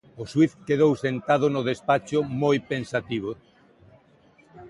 O xuíz quedou sentado no despacho, moi pensativo.